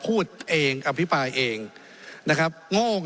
ไม่ได้เป็นประธานคณะกรุงตรี